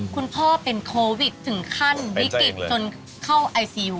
คุณพ่อเป็นโควิดถึงขั้นวิกฤตจนเข้าไอซียู